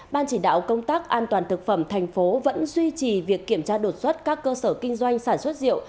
ban chỉ đạo công tác an toàn thực phẩm thành phố vẫn duy trì việc kiểm tra đột xuất các cơ sở kinh doanh sản xuất rượu